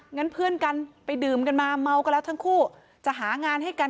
งั้นเพื่อนกันไปดื่มกันมาเมากันแล้วทั้งคู่จะหางานให้กัน